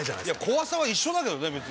怖さは一緒だけどね。